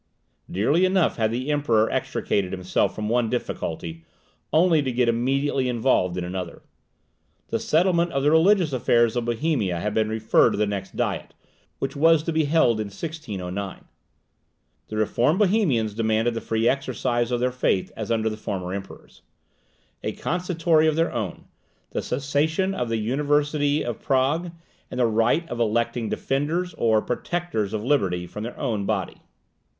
Dearly enough had the Emperor extricated himself from one difficulty, only to get immediately involved in another. The settlement of the religious affairs of Bohemia had been referred to the next Diet, which was held in 1609. The reformed Bohemians demanded the free exercise of their faith, as under the former emperors; a Consistory of their own; the cession of the University of Prague; and the right of electing `Defenders', or `Protectors' of `Liberty', from their own body.